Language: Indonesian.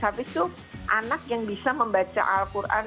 hafiz itu anak yang bisa membaca al quran